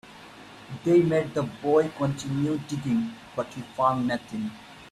They made the boy continue digging, but he found nothing.